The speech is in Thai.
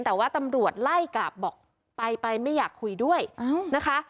แต่ว่าตำรวจไล่กลับบอกไปไปไม่อยากคุยด้วยนะคะ